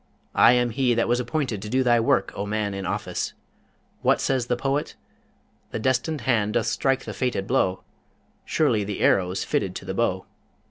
I am he that was appointed to do thy work, O man in office! What says the poet? "The destined hand doth strike the fated blow: Surely the arrow's fitted to the bow!"